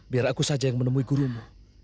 biar aku saja yang menemui gurumu